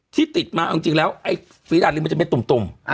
ที่ติดมาเอาจริงแล้วไอ้ฝีดาดลิงมันจะเป็นตุ่ม